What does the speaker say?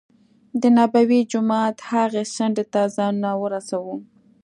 دنبوي جومات هغې څنډې ته ځانونه ورسو.